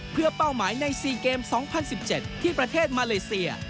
เพื่อเป้าหมายใน๔เกม๒๐๑๗ที่ประเทศมาเลเซีย